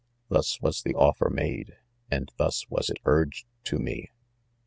,3 Thus was the offer made, and thus was ii urg ed to me.